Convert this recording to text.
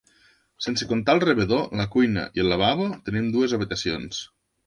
Sense comptar el rebedor, la cuina i el lavabo, tenim dues habitacions.